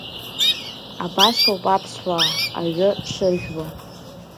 Абасоуп аԥсуаа аҩы шыржәуа!